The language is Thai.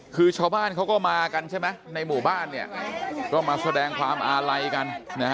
คือชาวบ้านเขาก็มากันใช่ไหมในหมู่บ้านเนี่ยก็มาแสดงความอาลัยกัน